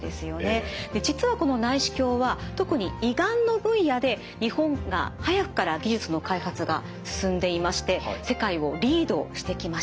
実はこの内視鏡は特に胃がんの分野で日本が早くから技術の開発が進んでいまして世界をリードしてきました。